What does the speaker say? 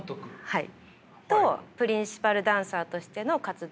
はい。